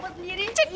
ini udah orang gila